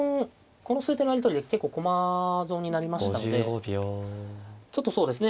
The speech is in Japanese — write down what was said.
この数手のやり取りで結構駒損になりましたのでちょっとそうですね